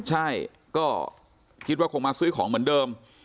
ใช่ก็คิดว่าคงมาซื้อของเหมือนเดิม